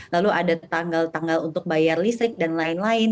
lalu ada tanggal tanggal untuk bayar listrik dan lain lain